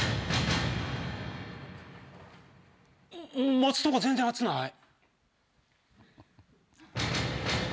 持つとこ全然熱ない。